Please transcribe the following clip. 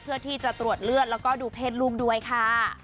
เพื่อที่จะตรวจเลือดแล้วก็ดูเพศลูกด้วยค่ะ